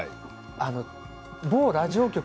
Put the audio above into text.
某ラジオ局。